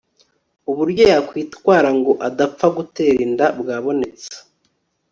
uburyo yakwitwara ngo adapfa gutera inda bwabonetse